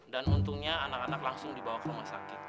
dan untungnya anak anak langsung dibawa ke rumah sakit